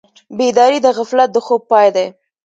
بیداري د غفلت د خوب پای دی.